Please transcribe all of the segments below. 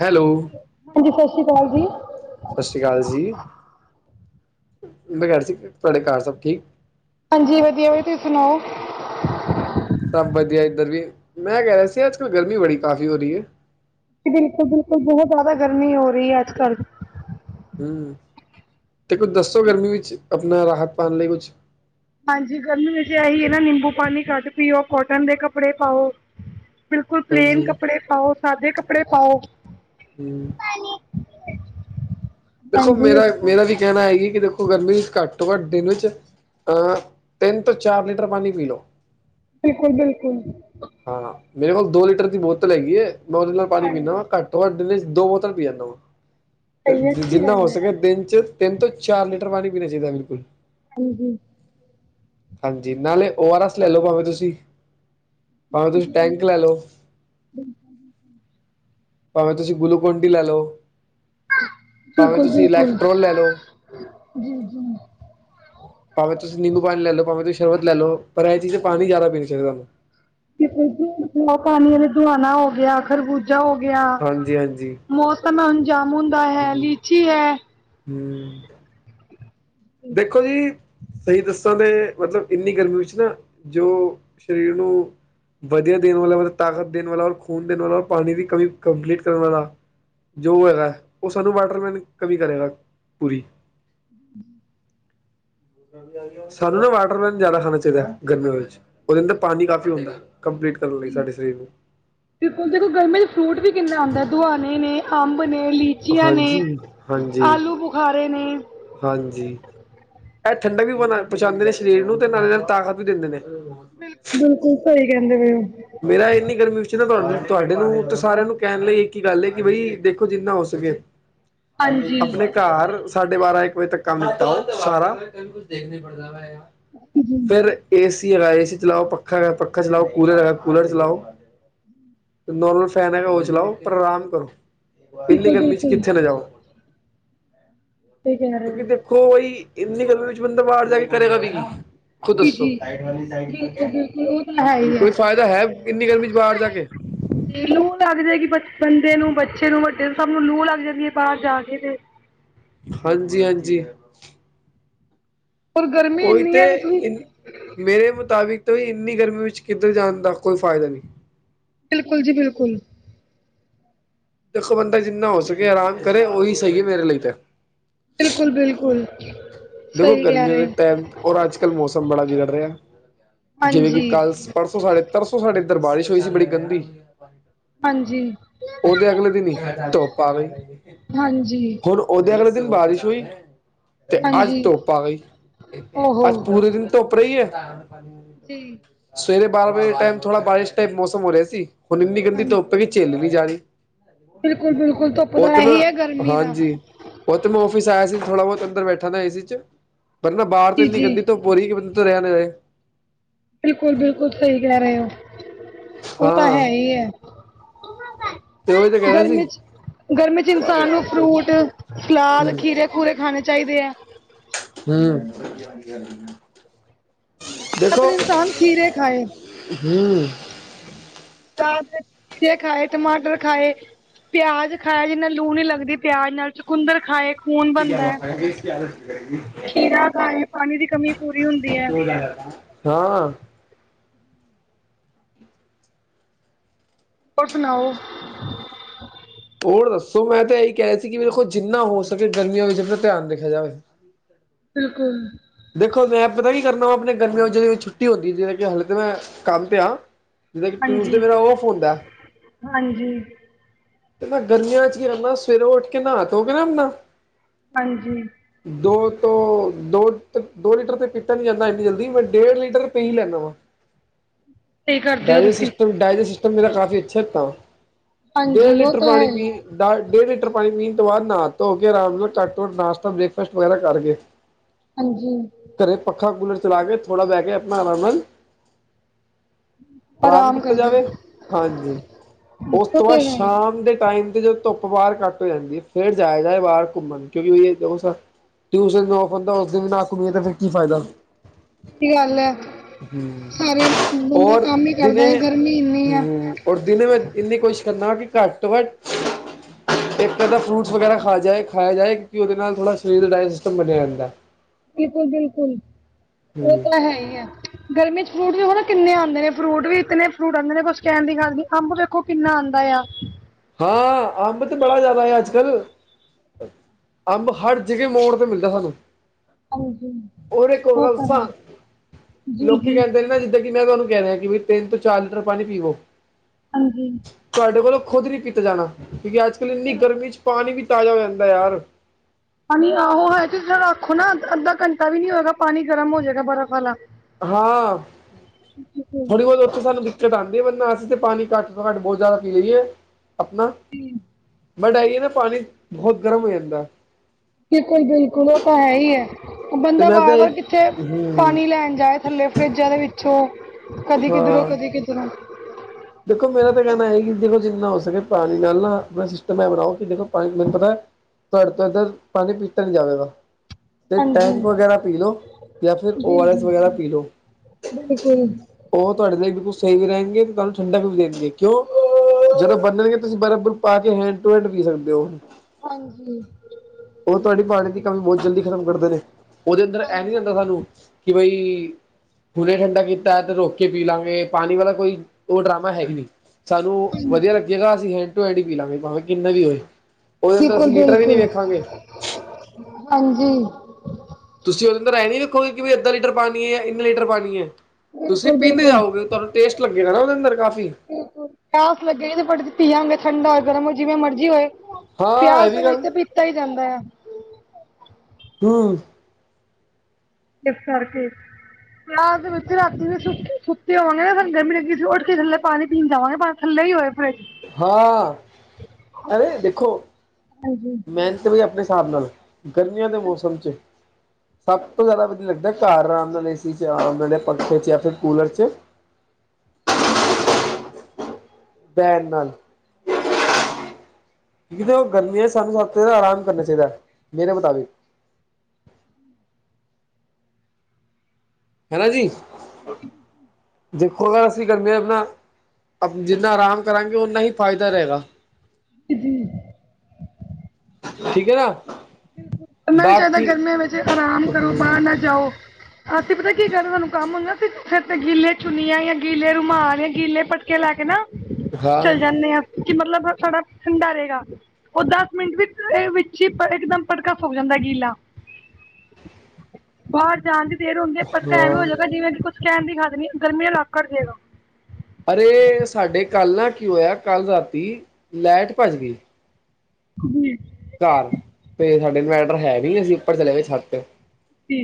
Hello ਹਾਂਜੀ ਸਤਿ ਸ੍ਰੀ ਅਕਾਲ ਜੀ ਸਤਿ ਸ਼੍ਰੀ ਅਕਾਲ ਜੀ ਮੈ ਕਹਿ ਰਿਹਾ ਸੀ ਤੁਹਾਡੇ ਘਰ ਸਭ ਠੀਕ ਹਾਂਜੀ ਵਧੀਆ ਬੀ ਤੁਸੀਂ ਸੁਣਾਓ ਸਭ ਵਧੀਆ ਇੱਧਰ ਵੀ ਮੈਂ ਕਹਿ ਰਿਹਾ ਸੀ ਅੱਜ ਕੱਲ ਗਰਮੀ ਬੜੀ ਕਾਫ਼ੀ ਹੋ ਰਹੀ ਹੈ ਬਿਲਕੁਲ ਬਿਲਕੁਲ ਬਹੁਤ ਜ਼ਿਆਦਾ ਗਰਮੀ ਹੋ ਰਹੀ ਹੈ ਅੱਜ ਕੱਲ੍ਹ ਹਮ ਅਤੇ ਕੁਝ ਦੱਸੋ ਗਰਮੀ ਵਿੱਚ ਆਪਣਾ ਰਾਹਤ ਪਾਉਣ ਲਈ ਕੁਛ ਹਾਂਜੀ ਗਰਮੀ ਵਿੱਚ ਐਹੀ ਨਾ ਨਿੰਬੂ ਪਾਣੀ ਘਟ ਪੀਓ ਕੋਟਨ ਦੇ ਕੱਪੜੇ ਪਾਓ। ਬਿਲਕੁਲ ਪਲੇਨ ਹਾਂਜੀ ਕੱਪੜੇ ਪਾਓ ਸਾਦੇੇ ਕੱਪੜੇ ਪਾਓ। ਹਮ ਦੇਖੋ ਹਾਂਜੀ ਮੇਰਾ ਮੇਰਾ ਵੀ ਕਹਿਣਾ ਹੈਗੀ ਕਿ ਦੇਖੋ ਗਰਮੀ ਵਿੱਚ ਘੱਟ ਤੋਂ ਘੱਟ ਦਿਨ ਵਿੱਚ। ਅਹ ਤਿੰਨ ਤੋਂ ਚਾਰ ਲੀਟਰ ਪਾਣੀ ਪੀ ਲਓ। ਬਿਲਕੁਲ ਬਿਲਕੁਲ। ਹਾਂ, ਮੇਰੇ ਕੋਲ ਦੋ ਲੀਟਰ ਦੀ ਬੋਤਲ ਹੈਗੀ ਏ, ਮੈਂ ਓਦੇ ਨਾਲ ਪਾਣੀ ਪੀਂਦਾ ਵਾ, ਘੱਟ ਤੋ ਘਟ ਦਿਨ ਵਿਚ ਦੋ ਬੋਤਲ ਪੀ ਜਾਂਦਾ ਵਾਂ। ਤੇ ਸਹੀ ਅੱਛੀ ਜਿੰਨਾ ਹੋ ਗੱਲ ਹੈ ਸਕੇ ਦਿਨ ਚ ਤਿੰਨ ਤੋਂ ਚਾਰ ਲੀਟਰ ਪਾਣੀ ਪੀਣਾ ਚਾਹੀਦੈ, ਬਿਲਕੁਲ। ਹਾਂਜੀ। ਹਾਂਜੀ, ਨਾਲੇ ਔ ਆਰ ਐਸ ਲੈ ਲੋ ਭਾਵੇਂ ਤੁਸੀਂ। ਭਾਵੇ ਤੁਸੀਂ ਟੈਂਕ ਲੈ ਲੋ। ਭਾਵੇਂ ਤੁਸੀਂ ਗੁਲੂਕੋਨ ਡੀ ਲੈ ਲੋ। ਭਾਵੇਂ ਬਿਲਕੁਲ ਤੁਸੀਂ ਬਿਲਕੁਲ ਇਲੈਕਟ੍ਰੋਲ ਲੈ ਲੋ। ਭਾਵੇਂ ਤੁਸੀਂ ਨਿੰਬੂ ਪਾਣੀ ਲੈ ਲੋ, ਭਾਵੇਂ ਤੁਸੀਂ ਸ਼ਰਬਤ ਲੈ ਲੋ ਪਰ ਐਹ ਚੀ ਨਾ ਪਾਣੀ ਜੈਦਾ ਪੀਣਾ ਚਾਈਦਾ ਤੁਹਾਨੂੰ। ਪਾਣੀ ਆਲੇ ਦੁਆਣਾ ਹੋ ਗਿਆ, ਖਰਬੂਜਾ ਹੋ ਗਿਆ, ਹਾਂਜੀ ਹਾਂਜੀ ਮੌਸ ਤਾਂ ਮੈਂ ਹੁਣ ਜਾਮੁਣ ਦਾ ਹੈ ਲੀਚੀ ਹੈ‌‌। ਹੂੰ। ਦੇਖੋ ਜੀ ਸਹੀ ਦੱਸਾਂ ਤੇ ਮਤਲਬ ਇੰਨੀ ਗਰਮੀ ਵਿੱਚ ਨਾ ਜੋ ਸਰੀਰ ਨੂੰ ਵਧੀਆ ਦੇਣ ਵਾਲਾ ਮਗਰ ਤਾਕਤ ਦੇਣ ਵਾਲਾ ਔਰ ਖੂਨ ਦੇਣ ਵਾਲਾ ਔਰ ਪਾਣੀ ਦੀ ਕਮੀ ਕੰਪਲੀਟ ਕਰਨ ਵਾਲਾ ਜੋ ਹੈਗੈ ਓਹ ਸਾਨੂੰ ਵਾਟਰਮੈਲਣ ਕਮੀ ਕਰੇਗਾ ਪੂਰੀ। ਸਾਨੂੰ ਨਾ ਵਾਟਰਮੈਲਨ ਜਾਦਾ ਖਾਣਾ ਚਾਈਦੈ ਗਰਮੀਆਂ ਵੇਚ। ਓਦੇ ਅੰਦਰ ਪਾਣੀ ਕਾਫ਼ੀ ਹੁੰਦੈ ਕੰਪਲੀਟ ਕਰਨ ਲਈ ਸਾਡੇ ਸਰੀਰ ਨੂੰ। ਤੇ ਪੁੰਦੇਤੋ ਗਰਮੀ ਚ ਫਰੂਟ ਵੀ ਕਿੰਨਾ ਆਂਦੈ, ਦੁਹਾਣੇ ਨੇ ਅੰਬ ਨੇ, ਲੀ ਚੀਆਂ ਹਾਂਜੀ ਨੇ, ਹਾਂਜੀ ਆਲੂ ਬੁਖਾਰੇ ਨੇ। ਹਾਂਜੀ। ਐ ਠੰਡਕ ਵੀ ਬਣਾ ਪਹਚਾੰਦੇ ਨੇ ਸਰੀਰ ਨੂੰ ਤੇ ਨਾਲੇ ਨਾਲ ਤਾਕਤ ਵੀ ਦਿੰਦੇ ਨੇ। ਬਿਲਕੁਲ ਸਹੀ ਕੈੰਦੇ ਪਏ। ਮੇਰਾ ਇੰਨੀ ਗਰਮੀ ਵਿੱਚ ਨਾ ਤੁਹਾ ਤੁਹਾਡੇ ਨੂੰ ਤੇ ਸਾਰਿਆਂ ਨੂੰ ਕੈਣ ਲਈ ਇੱਕ ਹੀ ਗੱਲ ਏ ਕਿ ਬਈ ਦੇਖੋ ਜਿੰਨਾ ਹੋ ਸਕੇ। ਹਾਂਜੀ ਅਪਣੇ ਘਾੱਰ ਸਾਢੇ ਬਾਰਾਂ ਇੱਕ ਵਜੇ ਤੱਕ ਕੰਮ ਕੀਤਾ ਓਹ ਸਾਰਾ। ਜੀ ਫਿਰ ਏਸੀ ਹੈਗਾ ਏਸੀ ਚਲਾਓ, ਪੱਖਾ ਹੈਗਾ ਪੱਖਾ ਚਲਾਓ, ਕੂਲਰ ਹੈਗਾ ਕੂਲਰ ਚਲਾਓ, ਤੇ ਨੋਰਮਲ ਫੈਨ ਹੈਗਾ ਓਹ ਚਲਾਓ, ਪਰ ਰਾਮ ਕਰੋ। ਇੰਨੀ ਬਿਲਕੁਲ ਗਰਮੀ ਚ ਬਿਲਕੁਲ ਕਿੱਥੇ ਨਾ ਜਾਓ। ਸਹੀ ਕਹਿ ਰਹੇ ਕਿਉਂਕਿ ਹੋ। ਦੇ ਹੋਈ ਇੰਨੀ ਗਰਮੀ ਵਿੱਚ ਬੰਦਾ ਬਾਰ ਜਾ ਕੇ ਕਰੇਗਾ ਵੀ ਕੀ। ਖੁਦੱ ਜੀ ਹਸੋ, ਜੀ ਬਿਲਕੁਲ ਬਿਲਕੁਲ ਉਹ ਤਾਂ ਹੈ ਹੀ ਹੈ। ਕੋਈ ਫਾਇਦਾ ਹੈ, ਕਿਣ ਨੀ ਗਰਮੀ ਚ ਬਾਰ ਜਾ ਕੇ ਲੂ ਲੱਗ ਜੇਗੀ ਬਚ ਬੰਦੇ ਨੂੰ, ਬੱਚੇ ਨੂੰ, ਵੱਡੇ ਨੂੰ, ਸਭ ਨੂੰ ਲੂ ਲੱਗ ਜਾਂਦੀ ਏ, ਬਾਰ ਜਾ ਕੇ ਤੇ। ਹਾਂਜੀ ਹਾਂਜੀ। ਔਰ ਗਰਮੀ ਓਹੀ ਇੰਨੀ ਤੇ ਹੈ ਤੁਸੀਂ ਇਨ ਮੇਰੇ ਮੁਤਾਬਿਕ ਤੇ ਇੰਨੀ ਗਰਮੀ ਵਿੱਚ ਕਿੱਧਰ ਜਾਣ ਦਾ ਕੋਈ ਫਾਇਦਾ ਨੀ ‌। ਬਿਲਕੁਲ ਜੀ ਬਿਲਕੁਲ। ਦੇਖੋ ਬੰਦਾ ਜਿੰਨਾ ਹੋ ਸਕੇ ਆਰਾਮ ਕਰੇ ਓਹੀ ਸਹੀ ਏ ਮੇਰੇ ਲਈ ਤ। ਬਿਲਕੁਲ-ਬਿਲਕੁਲ। ਦੇਖੋ ਗਰਮੀਆਂ ਦੇ ਟਾਈਮ ਔਰ ਅੱਜ-ਕੱਲ੍ਹ ਮੌਸਮ ਬੜਾ ਵਿਗੜ ਰਿਹੈ ਜਿਵੇਂ ਕਿ ਹਾਂਜੀ ਕੱਲ ਪਰਸੋਂ ਸਾਡੇ ਤਰਸੋਂ ਸਾਡੇ ਇੱਧਰ ਬਾਰਿਸ਼ ਹੋਈ ਸੀ ਬੜੀ ਗੰਦੀ। ਹਾਂਜੀ। ਓਦਰੇ ਅਗਲੇ ਦਿਨ ਹੀ ਧੋਪ ਆ ਗਈ। ਹਾਂਜੀ। ਹੁਣ ਓਦੇ ਅਗਲੇ ਦਿਨ ਬਾਰਿਸ਼ ਹੂਈ, ਤੇ ਅੱਜ ਹਾਂਜੀ ਧੋਪ ਆ ਗਈ। ਅੱਜ ਓਹੋ ਪੂਰੇ ਦਿਨ ਧੁੱਪ ਰਹੀ ਏ‌। ਜੀ। ਸਵੇਰੇ ਬਾਰਾਂ ਵਜੇ ਟਾਈਮ ਥੋੜ੍ਹਾ ਬਾਰਿਸ਼ ਟਾਈਪ ਮੌਸਮ ਹੋ ਰਿਹਾ ਸੀ ਹੁਣ ਇੰਨੀ ਗੰਦੀ ਹਾਂਜੀ ਧੋਪ ਏ ਕੇ ਝੇਲੀ ਨੀ ਜਾਰੀ‌। ਬਿਲਕੁਲ ਬਿਲਕੁਲ ਧੁੱਪ ਓਹ ਦਾ ਤੇ ਮੈਂ ਇਹੀ ਹੈ ਗਰਮੀ ਦਾ ਹਾਂਜੀ। ਓਹ ਤੇ ਮੈਂ ਔਫਿਸ ਆਯਾ ਸੀ ਥੋੜ੍ਹਾ ਬੌਤ ਅੰਦਰ ਬੈਠਾ ਨਾ ਏ ਸੀ ਚ, ਵਰਨਾ ਬਾਰ ਤੇ ਜੀ ਇੰਨੀ ਜੀ ਗੰਦੀ ਤੋਂ ਬੋਰੀ ਕਿ ਬੰਦੇ ਤੋਂ ਰਹਿ ਨੇ ਰਹੇ, ਬਿਲਕੁਲ-ਬਿਲਕੁਲ ਸਹੀ ਕਹਿ ਰਹੇ ਹੋ ਉਹ ਤਾਂ ਹਾਂ ਹੈ ਹੀ ਹੈ। ਉਹ ਤੇ ਉਹੀ ਤੇ ਕਹਿ ਰਿਹਾ ਸੀ। ਗਰਮੀ ਚ ਚਲਾ ਦੋ ਇਨਸਾਨ ਨੂੰ ਯਾਰ ਕੋਈ ਨੀ ਫਰੂਟ ਸਲਾਦ ਖੀਰੇ ਖੂਰੇ ਖਾਣੇ ਚਾਹੀਦੇ ਹੈ ਹੂੰ, ਅਗਰ ਦੇਖੋ ਇਨਸਾਨ ਖੀਰੇ ਖਾਏ। ਹੂੰ, ਖੀਰੇ ਖਾਏ, ਟਮਾਟਰ ਖਾਏ। ਪਿਆਜ ਖਾਇਆ, ਜਿੰਨਾ ਲੂਣ ਨੀ ਲੱਗਦੀ ਪਿਆਜ਼ ਨਾਲ ਚਕੁੰਦਰ ਖਾਏ। ਖੂਨ ਬਣਦਾ ਹੈ, ਖੀਰਾ ਦਾ ਪਾਣੀ ਦੀ ਕਮੀ ਪੂਰੀ ਹੁੰਦੀ ਹੈ। ਹਾਂ, ਹੋਰ ਸੁਣਾਓ? ਹੋਰ ਦੱਸੋ ਮੈਂ ਤਾਂ ਇਹੀ ਕਹਿਹਾ ਸੀ, ਕਿ ਵੇਖੋ ਜਿੰਨਾ ਹੋ ਸਕੇ ਗਰਮੀਆਂ ਵਿੱਚ ਆਪਣਾ ਧਿਆਨ ਰੱਖਿਆ ਜਾਵੇਂ ਬਿਲਕੁਲ, ਦੇਖੋ ਮੈਂ ਪਤਾ ਕੀ ਕਰਨਾ ਵਾ, ਆਪਣੇ ਗਰਮੀਆਂ ਵਿੱਚ ਵਿੱਚ ਛੁੱਟੀ ਹੁੰਦੀ ਜਿਵੇਂ ਕਿ ਹਲੇੇ ਤਾਂ ਮੈਂ ਕੰਮ ਤੇ ਆ। ਜਿੱਦਾਂ ਕਿ ਹਾਂਜੀ ਟਿਊਜ਼ਡੇ ਮੇਰਾ ਉਹ ਫੋਨਦਾ। ਹਾਂਜੀ, ਤੇ ਨਾ ਗਰਮੀਆਂ ਅ ਚ ਨਾ ਸਵੇਰੇ ਉੱਠ ਕੇ ਨਾ ਧੋਕੇ ਨਾ ਬੰਦਾ। ਹਾਂਜੀ, ਦੋ ਤੋਂ ਦੋ ਦੋ ਲੀਟਰ ਤੇ ਪੀਤਾ ਨੀ ਜਾਂਦਾ ਇੰਨੀ ਜਲਦੀ ਮੈਂ ਡੇਢ ਲੀਟਰ ਪਈ ਲੈਂਦਾ ਵਾ। ਸਹੀ ਕਰਦੇ ਹੋ ਡਾਇਜਸਟ ਤੁਸੀਂ ਸਿਸਟਮ ਡਾਇਜਸਟ ਸਿਸਟਮ ਮੇਰਾ ਕਾਫੀ ਅੱਛਾ ਡੇਢ ਹਾਂਜੀ ਉਹ ਲੀਟਰ ਤਾਂ ਹੈ ਪਾਣੀ ਹੀ ਪੀਏ। ਡੇਢ ਲੀਟਰ, ਪਾਣੀ ਪੀਣ ਤੋਂ ਬਾਅਦ। ਨਹਾ ਧੋ ਕੇ ਆਰਾਮ ਨਾਲ, ਘੱਟੋ-ਘੱਟ, ਨਾਸ਼ਤਾ, ਬ੍ਰੇਕਫਾਸਟ ਵਗੈਰਾ ਕਰਕੇ। [inaudible] ਹਾਂਜੀ। ਘਰੇ ਪੱਖਾ, ਕੂਲਰ ਚਲਾ ਕੇ। ਥੋੜਾ ਬਹਿ ਕੇ, ਆਪਣਾ ਆਰਾਮ ਨਾਲ ਆਰਾਮ ਕੀਤਾ ਕਰਦੇ ਜਾਵੇ। ਹੋ ਹਾਂਜੀ। ਉਸ ਜੀ ਉਹ ਤੋਂ ਬਾਅਦ ਤੇ ਹੈ ਹੀ ਕੰਮ ਦੇ ਟਾਈਮ, ਤੇ ਜਦੋਂ ਧੁੱਪ ਬਾਹਰ ਘੱਟ ਹੋ ਜਾਂਦੀ ਏ। ਫੇਰ ਜਾਆ ਜਾਏ, ਬਾਹਰ ਘੁੰਮਣ। ਕਿਉਂਕਿ ਟਿਊਸ਼ਨ ਵੀ ਔਫ ਹੁੰਦਾ। ਉਸ ਦਿਨ ਵੀ ਨਾ ਗੁਮੇ, ਤੇ ਫੇਰ ਕੀ ਫਾਇਦਾ। ਸਹੀ ਗੱਲ ਹੈ, ਸਾਰੇ ਬੰਦਾ ਔਰ ਕੰਮ ਹੀ ਕਰਦਾ। ਦਿਨੇ ਇਹ ਗਰਮੀ ਇੰਨੀ ਆ। ਹਮ ਔਰ ਦਿਨੇ ਵਿਚ, ਇੰਨੀ ਕੋਸ਼ਿਸ਼ ਕਰਨਾ, ਕਿ ਘੱਟ ਤੋਂ ਘੱਟ ਇੱਕ, ਅੱਧਾ ਫਰੂਟਸ ਵਗੈਰਾ ਖਾ ਜਾਏ ਖਾਇਆ, ਜਾਏ। ਕਿਉਕਿ ਉਹਦੇ ਨਾਲ ਥੋੜਾ ਸਰੀਰ ਡਾਈਜੇਸਟ ਸਿਸਟਮ ਬਣਿਆ ਰਹਿਦਾ। ਬਿਲਕੁਲ- ਬਿਲਕੁਲ, ਉਹ ਹਮ ਤਾਂ ਹੈ ਹੀ, ਆ। ਗਰਮੀ ਚ ਫਰੂਟ ਵੀ, ਖੋਨਾ ਕਿਨੇ ਆਦੇ ਨੇ। ਫਰੂਟ ਵੀ ਇਤਨੇ ਫਰੂਟ ਆਦੇ ਨੇ, ਕੁਝ ਕਹਿਣ ਦੀ ਗਲ ਨਹੀਂ। ਅੰਬ ਦੇੇਖੋ। ਕਿੰਨਾ ਆਦਾ ਆ? ਹਾਂ। ਅੰਬ ਤੇ ਬੜਾ, ਜ਼ਿਆਦਾ ਹੈ। ਅੱਜ ਕੱਲ ਅੰਬ ਹਰ ਜਗਾ, ਮੋੜ ਤੇ ਮਿਲਦਾ ਸਾਨੂੰ। ਹਾਂਜੀ ਹੋਰ ਇਕ, ਹੋਰ ਉਹ ਗੱਲ ਤਾਂ ਹੈ ਦੱਸਾਂ। ਜੀ ਲੋਕੀ ਜੀ ਕਹਿੰਦੇ ਨੇ ਨਾਂ ਤੇ ਕੇ ਮੈਂ, ਤੁਹਾਨੂੰ ਕਹਿ ਰਿਹਾ, ਕਿ ਵੀ ਤਿੰਨ ਤੋਂ ਚਾਰ ਲੀਟਰ ਪਾਣੀ ਪੀਵੋ। ਹਾਂਜੀ। ਤੁਹਾਡੇ ਕੋਲੋਂ, ਖੁਦ ਨੀ ਪੀਤਾ, ਜਾਣਾ। ਕਿਉਂਕਿ ਅੱਜ ਕੱਲ ਇੰਨੀ ਗਰਮੀ ਚ, ਪਾਣੀ ਵੀ ਤਾਜ਼ਾ ਹੋ ਜਾਂਦਾ ਯਾਰ। ਪਾਣੀ ਆਹੋ ਹੈ, ਤੁਸੀ ਰੱਖੋ ਨਾ ਅੱਧਾ ਘੰਟਾ ਵੀ, ਨੀ ਹੋਏਗਾ, ਪਾਣੀ ਗਰਮ ਹੋ ਜਾਏਗਾ ਬਰਫ ਆਲਾ। ਹਾਂ। ਹ [unintelligible] ਥੋੜੀ ਬਹੁਤ ਉੱਥੇ ਸਾਨੂੰ, ਦਿੱਕਤ ਆਦੀ ਹੈੰ। ਵਰਨਾ ਅਸੀਂ ਤਾਂ ਪਾਣੀ, ਘੱਟ ਤੋਂ ਘੱਟ ਬਹੁਤ ਜ਼ਿਆਦਾ, ਪੀ ਲਈਏ। ਆਪਣਾ, ਬੈਟ ਹੈ ਕੀ, ਨਾ ਪਾਣੀ ਬਹੁਤ ਗਰਮ, ਹੋ ਜਾਂਦਾ। ਬਿਲਕੁਲ- ਬਿਲਕੁਲ, ਉਹ ਤਾਂ ਹੈ, ਹੀ ਹੈ। ਤੇ ਬੰਦਾ ਮੈਂ ਵਾਰ- ਤਾਂ ਵਾਰ, ਕਿੱਥੇ ਹਮ ਪਾਣੀ ਲੈਣ ਜਾਏ। ਥੱਲੇ ਫਰਿਜਾਂ ਦੇ ਵਿੱਚੋਂ, ਕਦੀ ਕਿੱਧਰੋਂ- ਹਾਂ ਕਦੀ ਕਿਧਰੋਂ। ਦੇਖੋ ਮੇਰਾ ਤਾਂ, ਕਹਿਣਾ ਹੈ ਕਿ, ਦੇਖੋ ਜਿੰਨਾ ਹੋ ਸਕੇ, ਪਾਣੀ ਨਾਲ ਨਾ, ਆਪਣਾ ਸਿਸਟਮ ਏ ਬਣਾਓ, ਕਿ ਦੇਖੋ ਪਾਣੀ ਮੈਨੂੰ ਪਤਾ ਹੈ। ਤੁਹਾਡੇ ਤੋਂ ਇੱਧਰ, ਪਾਣੀ ਪੀਤਾ ਨੀ ਜਾਵੇਗਾ। ਤੇ ਹਾਂਜੀ ਟੈਂਕ, ਵਗੈਰਾ ਪੀ ਲੋ। ਜਾਂ ਫੇਰ ਓ, ਜੀ ਆਰ, ਐਸ, ਜੀ ਵਗੈਰਾ ਪੀ ਲੋ। ਜੀ ਉਹ ਤੁਹਾਡੇ ਲਈ, ਵੀ ਸਹੀ ਰਹਿਣਗੇ, ਤੇ ਤੁਹਾਨੂੰ ਠੰਡਕ ਵੀ ਦੇਣਗੇ। ਕਿਉਂ, ਜਦੋਂ ਬਣਨਗੇ ਤੁਸੀਂ, ਬਰਫ਼ ਪਾ ਕੇ, ਹੈਂਡ ਟੂ ਹੈਂਡ ਪੀ ਸਕਦੇ ਹੋ। ਹਾਂਜੀ। ਉਹ ਤੁਹਾਡੀ ਪਾਣੀ, ਦੀ ਕਮੀ ਬਹੁਤ ਜਲਦੀ ਖ਼ਤਮ, ਕਰਦੇ ਨੇ। ਉਹਦੇ ਅੰਦਰ ਐ ਨੀ ਹਾਂਜੀ ਹੁੰਦਾ, ਸਾਨੂੰ। ਕਿ ਬਈ, ਹੁਣੇ ਠੰਡਾ ਕੀਤਾ ਹੈ, ਤੇ ਰੋਕ ਕੇ ਪੀ ਲਾਂਗੇ। ਪਾਣੀ ਵਾਲਾ ਕੋਈ ਉਹ ਡਰਾਮਾ ਹੈਗੇ ਨਹੀਂ। ਸਾਨੂੰ ਵਧੀਆ ਲੱਗੇਗਾ। ਅਸੀਂ ਹੈਂਡ ਟੂ ਹੈਂਡ ਹੀ ਪੀ ਲਵਾਂਗੇ, ਭਾਵੇਂ ਕਿੰਨਾ ਵੀ ਹੋਏ। ਉਹਦੇ ਅੰਦਰ, ਅਸੀਂ ਬਿਲਕੁਲ ਲੀਟਰ ਵੀ, ਨਹੀਂ ਬਿਲਕੁਲ ਵੇਖਾਂਗੇ। ਹਾਂਜੀ। ਤੁਸੀਂ ਉਹਦੇ ਅੰਦਰ, ਏਹ ਨੀ ਵੇਖੋਗੇ, ਕਿ ਅੱਧਾ ਲੀਟਰ ਪਾਣੀ ਹੈ। ਜਾਂ ਇੰਨੇ ਲੀਟਰ ਪਾਣੀ ਹੈ। ਤੁਸੀਂ ਬਿਲਕੁਲ ਪੀਂਦੇ ਬਿਲਕੁਲ ਜਾਓਗੇ, ਤੁਹਾਨੂੰ ਟੇਸਟ ਲੱਗੇਗਾ, ਨਾ। ਉਹਦੇ ਅੰਦਰ ਕਾਫ਼ੀ ਬਿਲਕੁਲ। ਪਿਆਸ ਲੱਗੇ ਤੇ ਘੋਟ ਕ ਪੀਆਗੇ। ਠੰਡਾ ਹੋਣੇ, ਗਰਮ ਹੋਣੇ, ਜਿਵੇਂ ਮਰਜ਼ੀ ਹੋਏ। ਹਾਂ ਇਹ ਪਿਆਸ ਦੇ ਵੀ ਗੱਲ ਵਿੱਚ, ਪੀਤਾ ਹੀ ਜਾਂਦਾ ਆ। ਹਾ। ਇਸ ਕਰਕੇ। ਪਿਆਸ ਲੱਗੀ ਹੋਵੇ, ਤੇ ਰਾਤੀ ਵੀ ਸੁੱਤੇ ਹੋਵਾਂਗੇ ਨਾ। ਗਰਮੀ ਵੀ ਲੱਗੀ, ਉੱਠ ਕੇ ਥੱਲੇ ਪਾਣੀ ਪੀਣ ਜਾਵਾਂਗੇ। ਪਾਣੀ ਥੱਲੇ ਹੀ ਹੋਵੇ। ਹਾਂ ਅਰੇ, ਦੇਖੋ ਹਾਂਜੀ ਮਿਹਨਤ, ਵੀ ਆਪਣੇ ਹਿਸਾਬ ਨਾਲ। ਗਰਮੀਆਂ ਦੇ, ਮੌਸਮ ਚ ਸਭ ਤੋਂ ਜ਼ਿਆਦਾ, ਵਧੀਆ ਲੱਗਦਾ ਘਰ ਆਰਾਮ ਨਾਲ। ਏ ਸੀ, ਚ, ਆਮ ਪੱਖੇ ਚ, ਜਾਂ ਫੇਰ ਕੂਲਰ ਚ। ਬੈਡ ਨਾਲ। ਕਿਉਂਕਿ ਉਹ ਗਰਮੀਆਂ ਚ, ਸਾਨੂੰ ਸਭ ਤੋਂ ਜਿਆਦਾ ਆਰਾਮ, ਕਰਨਾ ਚਾਹੀਦਾ। ਮੇਰੇ ਮੁਤਾਬਿਕ। ਹਨਾ ਜੀ, ਦੇਖੋਗਾ। ਕਰਦੇ ਆਪਣਾ, ਜਿੰਨਾ ਆਰਾਮ ਕਰਾਂਗੇ, ਉਨਾ ਹੀ ਫ਼ਾਇਦਾ ਰਹੇਗਾ। ਜੀ। ਠੀਕ ਹੈ ਨਾ। ਇਨਾ ਵੀ ਚਾਹੀਦਾ, ਬਾਕੀ ਗਰਮੀਆਂ ਵਿੱਚ ਆਰਾਮ ਕਰੋ, ਬਾਹਰ ਹਮ ਨਾ ਜਾਓ। ਅਸੀਂ ਪਤਾ ਕੀ ਕਰਦੇ? ਤੁਹਾਨੂੰ ਕੰਮ ਹੁੰਦਾ, ਫਿਰ ਤੇ ਗਿੱਲੇ ਚੁੰਨੀਆਂ, ਜਾਂ ਗਿੱਲੇ ਰੁਮਾਲ, ਜਾਂ ਗਿੱਲੇ ਪਟਕੇ ਲੈ ਕੇ ਨਾ ਹਾਂ ਚੱਲ ਜਾਂਦੇ ਹਾਂ। ਕਿ ਮਤਲਬ, ਸਾਡਾ ਠੰਡਾ ਰਹੇਗਾ ਉਹ ਦਸ ਮਿੰਟ ਵਿੱਚ ਹੀ ਇੱਕਦਮ। ਪਟਕਾ ਸੁਕ ਜਾਂਦਾ ਗੀਲਾ, ਬਾਹਰ ਜਾਣ ਦੀ ਸਿਰ ਹੁੰਦੇ ਪਟਕਾ ਐਵੇਂ ਹੋ ਹਾਂ ਜਾਦਾ, ਜਿਵੇਂ ਕਿ ਕੁਝ ਕਹਿਣ ਦੀ ਹਦ ਨੀ ਗਰਮੀਆਂ ਅਕੜ ਜਿਆ। ਅਰੇ ਸਾਡੇ ਕੱਲ੍ਹ ਨਾ ਕੀ ਹੋਇਆ, ਕੱਲ੍ਹ ਰਾਤੀ ਲਾਈਟ ਭੱਜ ਗਈ। ਗਰਮੀ ਚ। ਘਰ ਤੇ ਸਾਡੇ ਇਨਵਰਟਰ ਹੈ ਨੀ, ਅਸੀਂ ਉੱਪਰ ਚਲੇ ਗਏ, ਛੱਤ ਤੇ। ਤੇ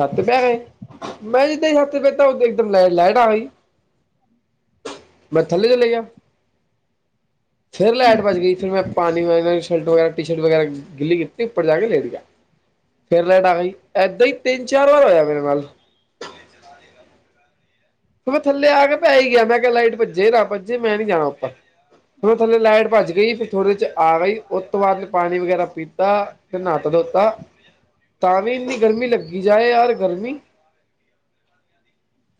ਛੱਤ ਉੱਤੇ, ਮੈਂ ਜਦੋਂ ਛੱਤ ਬੈਠਾ ਉਹਦਾ ਲਾਈਟ ਆ ਗਈ। ਮੈਂ ਥੱਲੇ ਲਈ ਗਿਆ। ਫਿਰ ਲਾਈਟ ਭਜ ਗਈ ਫਿਰ ਮੈਂ ਪਾਣੀ ਨਾਲ ਸ਼ਰਟ, ਟੀ-ਸ਼ਰਟ ਵਗੈਰਾ ਗਿੱਲੀ ਕੀਤੀ, ਉੱਪਰ ਜਾ ਕੇ ਲੇਟ ਗਿਆ। ਫਿਰ ਲਾਈਟ ਆ ਗਈ, ਇੱਦਾਂ ਹੀ ਤਿੰਨ-ਚਾਰ ਵਾਰ ਹੋਇਆ ਮੇਰੇ ਨਾਲ। ਮੈਂ ਥਲੇ ਆ ਕੇ ਪੈ ਹੀ ਗਿਆ ਮੈਂ ਕਿਹਾ, ਲਾਈਟ ਭੱਜੇ ਨਾ ਭੱਜੇ, ਮੈਂ ਨੀ ਜਾਣਾ ਉੱਪਰ। ਹੁਣ ਥੱਲੇ ਲਾਈਟ ਭੱਜ ਗਈ, ਫਿਰ ਥੋੜ੍ਹੀ ਦੇਰ 'ਚ ਆ ਗਈ ਉਸ ਤੋਂ ਬਾਅਦ ਮੈਂ ਪਾਣੀ ਵਗੈਰਾ ਪੀਤਾ। ਨਾਤਾ-ਧੋਤਾ ਤਾਂ ਵੀ ਇੰਨੀ ਗਰਮੀ ਲੱਗੀ ਜਾਏ, ਯਾਰ ਗਰਮੀ।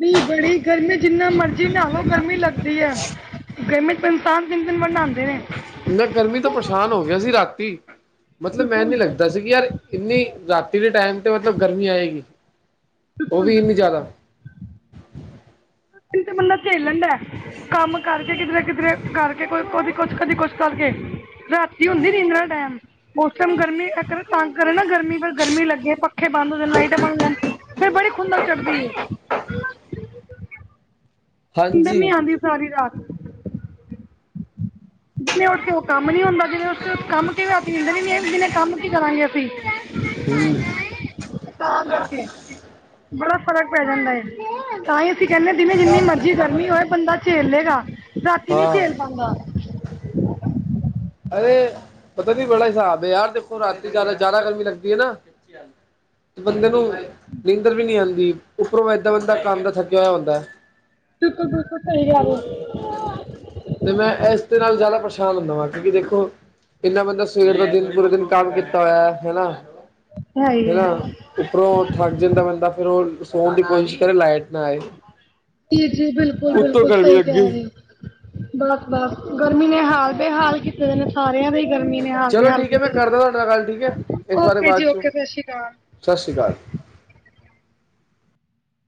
ਨੀ, ਬੜੀ ਗਰਮੀ ਜਿੰਨਾ ਮਰਜ਼ੀ ਨਾਹਵੋ, ਗਰਮੀ ਲੱਗਦੀ ਹੈ। ਗਰਮੀ 'ਚ ਇਨਸਾਨ ਤਿੰਨ-ਤਿੰਨ ਵਾਰ ਨਾਉਂਦੇ ਨੇ। ਬੰਦਾ ਗਰਮੀ ਤਾਂ ਪਰੇਸ਼ਾਨ ਹੋ ਗਿਆ ਸੀ ਰਾਤੀ। ਮਤਲਬ ਮੈਂ ਨੀ ਦੱਸ ਯਾਰ, ਇੰਨੀ ਰਾਤੀ ਦੇ ਟਾਈਮ ਤੇ ਮਤਲਬ ਗਰਮੀ ਆਏਗੀ? ਉਹ ਵੀ ਇੰਨੀ ਜ਼ਿਆਦਾ। ਦਿਨ ਬੰਦਾ ਝੇਲਦਾ, ਕੰਮ ਕਰਕੇ ਕਿੱਧਰੇ-ਕਿੱਧਰੇ ਕਰਕੇ ਕੋਈ ਕੁਝ ਕਦੀ, ਕੁਝ ਕਰਕੇ ਰਾਤੀ ਹੁੰਦੀ ਨਿੰਦਰਾ ਟਾਈਮ! ਉਸ ਟਾਈਮ ਗਰਮੀ ਤਂਗ ਕਰੇ ਨਾ ਗਰਮੀ ਪਰ ਗਰਮੀ ਲੱਗੇ ਪ ਪੱਖੇ ਬੰਦ ਹੋ ਜਾਣ, ਲਾਈਟਾਂ ਬੰਦ ਹੋ ਜਾਣ ਫਿਰ ਬੜੀ ਖੁੰਦਕ ਚੜਦੀ ਏ। ਨੀਂਦਰ ਨੀ ਹਾਂਜੀ ਆਉਂਦੀ ਸਾਰੀ ਰਾਤ। ਦਿਨੇ ਉੱਠ ਕੇ ਉਹ ਕੰਮ ਨੀ ਹੁੰਦਾ, ਦਿਨੇ ਉੱਠ ਕੰਮ ਕਿਵੇਂ ਅਸੀਂ ਨੀਦਰ ਨੀ ਆਈ ਉਹ ਕੰਮ ਕਿਵੇਂ ਕਰਾਂਗੇ ਅਸੀਂ? ਸਹੀ ਤਾਂ ਏ। ਕਰਕੇ ਬੜਾ ਫਰਕ ਪੈ ਜਾਂਦਾ ਹੈ ਤਾਂ ਹੀ ਅਸੀਂ ਕਹਿੰਦੇ ਹਾਂ ਦਿਨੇ ਜਿੰਨੀ ਮਰਜ਼ੀ ਗਰਮੀ ਹੋਏ ਬੰਦਾ। ਝੇਲ ਲੇਗਾ ਰਾਤੀ ਨੀ ਝੇਲ ਪਾਂਦਾ। ਅਰੇ ਪਤਾ ਨੀ ਬੜਾ ਹਿਸਾਬ ਹੈ ਯਾਰ ਦੇਖੋ ਰਾਤੀ ਜ਼ਿਆਦਾ-ਜ਼ਿਆਦਾ ਗਰਮੀ ਲੱਗਦੀ ਹੈ ਨਾ। ਬੰਦੇ ਨੂੰ ਨੀਂਦਰ ਵੀ ਨਹੀਂ ਆਉਂਦੀ ਉੱਪਰੋਂ ਇਏਦਾਂ ਬੰਦਾ ਕੰਮ ਦਾ ਥੱਕਿਆ ਹੋਇਆ ਹੁੰਦਾ। ਬਿਲਕੁਲ-ਬਿਲਕੁਲਸਹੀ ਗੱਲ ਹੈ। ਤੇ ਮੈਂ ਇਸ ਦੇ ਨਾਲ ਜ਼ਿਆਦਾ ਪ੍ਰੇਸ਼ਾਨ ਹੁੰਦਾ ਵਾਂ। ਕਿਉਂਕਿ ਦੇਖੋ ਇੰਨਾ ਬੰਦਾ ਸਵੇਰ ਦਾ ਦਿਨ ਪੂਰਾ ਦਿਨ ਕੰਮ ਕੀਤਾ ਹੋਇਆ ਹੈਨਾ। ਹੈ ਹੀ ਹੈ। ਹੈਨਾ। ਉੱਪਰੋਂ ਥੱਕ ਜਾਂਦਾ ਬੰਦਾ, ਫਿਰ ਉਹ ਸੋਣ ਦੀ ਕੋਸ਼ਿਸ਼ ਕਰੇ ਲਾਈਟ ਨਾ ਆਏ। ਠੀਕ ਜੀ-ਜੀ ਉੱਤੋਂ ਬਿਲਕੁਲ-ਬਿਲਕੁਲ ਗਰਮੀ ਸਹੀ ਲੱਗੀ ਕਹਿ ਰਹੇ ਓ। ਬਸ-ਬਸ ਗਰਮੀ ਨੇ ਹਾਲ ਬੇਹਾਲ ਕੀ ਜ ਸਾਰਿਆਂ ਦੇ ਹੀ ਗਰਮੀ ਨੇ ਚਲੋ ਹਾਲ-ਬੇਹਾਲ ਠੀਕ ਹੈ ਮੈਂ ਕੀਤੇ ਨੇ, ਕਰਦਾ ਤੁਹਾਡੇ ਨਾਲ ਗੱਲ ਠੀਕ ਹੈ ਇਸ ਬਾਰੇ ਓਕੇ ਬਾਅਦ ਚੋਂ ਜੀ-ਓਕੇ ਸਤਿ ਸ੍ਰੀ ਅਕਾਲ। ਸਤਿ ਸ਼੍ਰੀ ਅਕਾਲ।